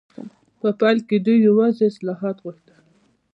په پیل کې دوی یوازې اصلاحات غوښتل.